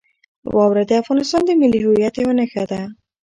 واوره د افغانستان د ملي هویت یوه نښه ده.